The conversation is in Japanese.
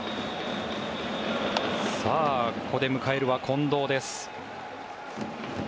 ここで迎えるは近藤です。